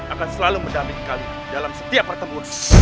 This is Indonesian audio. akan selalu mendampingi kami dalam setiap pertemuan